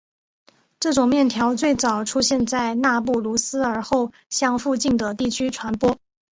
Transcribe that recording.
这种面条最早出现在纳布卢斯而后向附近的地区传播。